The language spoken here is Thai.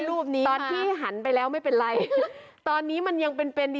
รูปนี้ตอนที่หันไปแล้วไม่เป็นไรตอนนี้มันยังเป็นเป็น